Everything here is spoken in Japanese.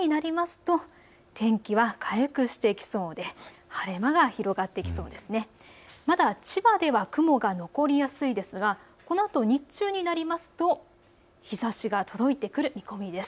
まだ千葉では雲が残りやすいですが、このあと日中になりますと日ざしが届いてくる見込みです。